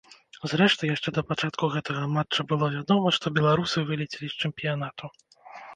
Зрэшты, яшчэ да пачатку гэтага матча было вядома, што беларусы вылецелі з чэмпіянату.